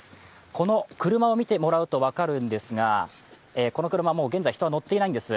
この車を見てもらうと分かるんですが、この車、現在人は乗っていないんです。